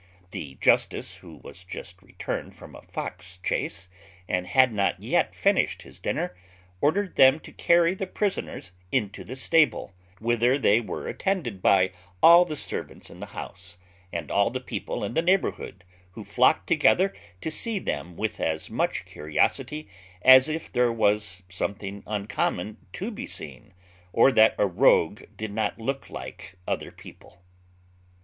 The justice, who was just returned from a fox chase, and had not yet finished his dinner, ordered them to carry the prisoners into the stable, whither they were attended by all the servants in the house, and all the people in the neighbourhood, who flocked together to see them with as much curiosity as if there was something uncommon to be seen, or that a rogue did not look like other people.